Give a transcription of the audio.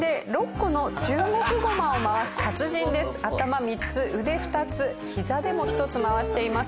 頭３つ腕２つひざでも１つ回しています。